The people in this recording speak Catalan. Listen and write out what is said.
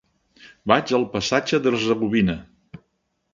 Vaig al passatge d'Hercegovina.